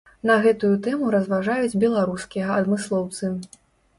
На гэтую тэму разважаюць беларускія адмыслоўцы.